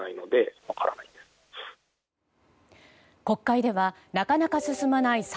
国会ではなかなか進まない